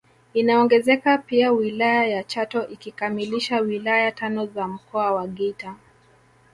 Inaongezeka pia wilaya ya Chato ikikamilisha wilaya tano za Mkoa wa Geita